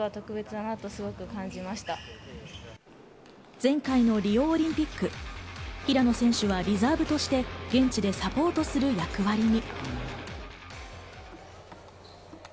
前回のリオオリンピック、平野選手はリザーブとして現地でサポートする役割に。